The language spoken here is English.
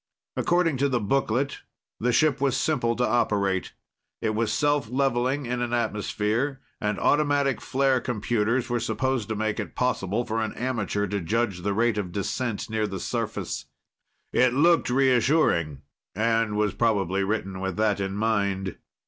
According to the booklet, the ship was simple to operate. It was self leveling in an atmosphere, and automatic flare computers were supposed to make it possible for an amateur to judge the rate of descent near the surface. It looked reassuring and was probably written with that in mind.